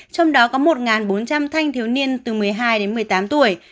trong đó có một bốn trăm linh thanh thiếu niên từ một mươi hai đến một mươi tám tuổi